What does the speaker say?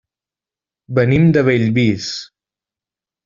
Venim de Bellvís.